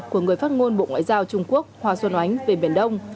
của người phát ngôn bộ ngoại giao trung quốc hòa xuân ánh về biển đông